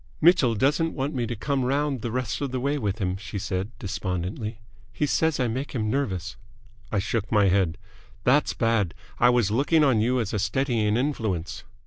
"Mitchell doesn't want me to come round the rest of the way with him," she said, despondently. "He says I make him nervous." I shook my head. "That's bad! I was looking on you as a steadying influence."